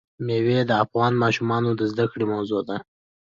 مېوې د افغان ماشومانو د زده کړې موضوع ده.